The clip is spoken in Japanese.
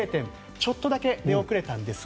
ちょっとだけ出遅れたんですが。